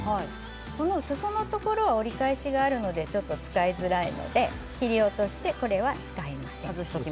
すそは折り返しがあるので使いづらいので切り落としてこれは使いません。